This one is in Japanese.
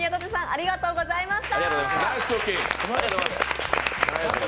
ありがとうございます。